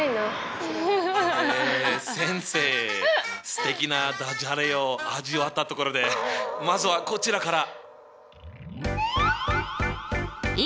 すてきなだじゃれを味わったところでまずはこちらから。